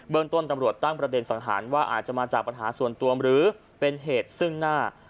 ต้นตำรวจตั้งประเด็นสังหารว่าอาจจะมาจากปัญหาส่วนตัวหรือเป็นเหตุซึ่งหน้า